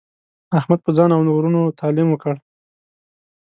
احمد په ځان او ورونو تعلیم وکړ.